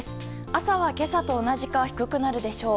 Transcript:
朝は今朝と同じか低くなるでしょう。